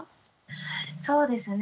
そうですね